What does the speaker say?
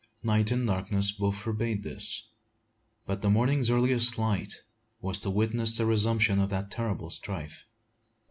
Night and darkness both forbade this; but the morning's earliest light was to witness the resumption of that terrible strife.